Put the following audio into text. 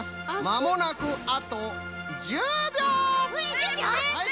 まもなくあと１０びょう！